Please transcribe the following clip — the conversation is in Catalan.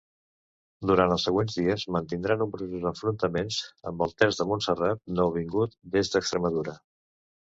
Durant els següents dies mantindrà nombrosos enfrontaments amb el Terç de Montserrat, nouvingut des d'Extremadura.